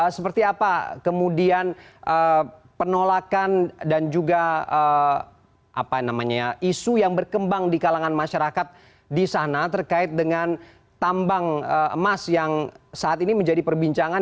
seperti apa kemudian penolakan dan juga isu yang berkembang di kalangan masyarakat di sana terkait dengan tambang emas yang saat ini menjadi perbincangan